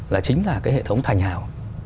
là chính là cái hệ thống thành hào